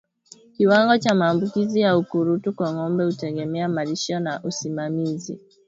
Kiwango cha maambukizi ya ukurutu kwa ngombe hutegemea malisho na usimamizi